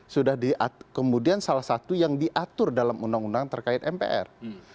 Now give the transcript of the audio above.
sudah kemudian salah satu yang diatur dalam undang undang terkait mpr